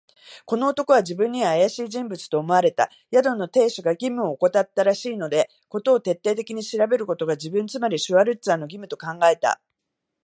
この男は自分にはあやしい人物と思われた。宿の亭主が義務をおこたったらしいので、事を徹底的に調べることが、自分、つまりシュワルツァーの義務と考えた。